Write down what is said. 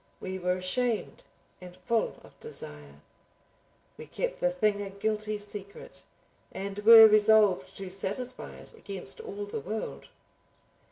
We were ashamed and full of desire. We kept the thing a guilty secret, and were resolved to satisfy it against all the world.